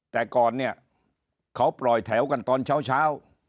แต่ก่อนเนี่ยเขาปล่อยแถวกันตอนเช้า